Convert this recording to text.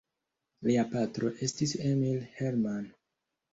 Lia patro estis Emil Herrmann.